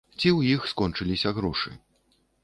Ці ў іх скончыліся грошы.